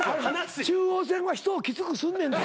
中央線は人をきつくすんねんって。